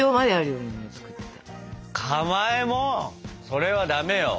それはダメよ。